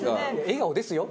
笑顔ですよ。